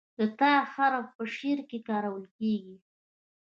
د "ت" حرف په شعر کې کارول کیږي.